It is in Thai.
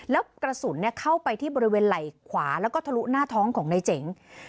แล้วกระสุนเข้าไปที่บริเวณไหล่ขวาแล้วก็ทะลุหน้าท้องของนายเจ๋ง